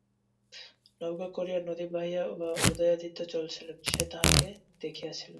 নৌকা করিয়া নদী বাহিয়া উদয়াদিত্য চলিয়াছিলেন সে তাঁহাকে দেখিয়াছিল।